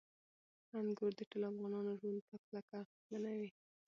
انګور د ټولو افغانانو ژوند په کلکه اغېزمنوي.